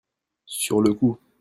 sur le coup.